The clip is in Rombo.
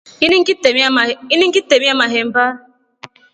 Ini ngitremia mahemba.